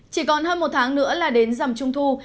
chỉ còn hơn một tháng nữa là đến rằm trung thu